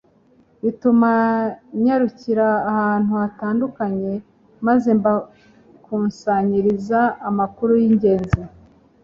bituma nyarukira ahantu hatandukanye, maze mbakusanyiriza amakuru y'ingenzi